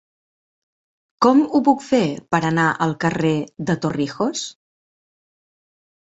Com ho puc fer per anar al carrer de Torrijos?